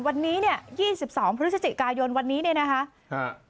วันนี้๒๒พฤศจิกายนวันนี้นะครับ